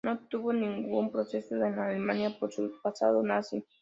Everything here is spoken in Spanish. No tuvo ningún proceso en Alemania por su pasado nazi.